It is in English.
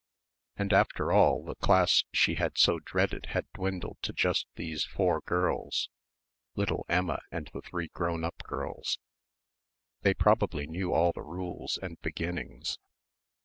And, after all, the class she had so dreaded had dwindled to just these four girls, little Emma and the three grown up girls. They probably knew all the rules and beginnings.